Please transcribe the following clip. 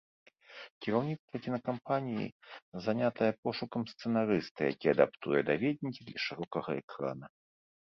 Кіраўніцтва кінакампаніі занятае пошукам сцэнарыста, які адаптуе даведнікі для шырокага экрана.